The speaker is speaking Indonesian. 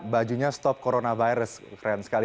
bajunya stop coronavirus keren sekali